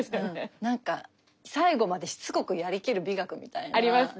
なんか最後までしつこくやりきる美学みたいな。ありますね。